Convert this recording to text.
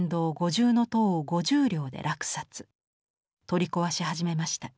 取り壊し始めました。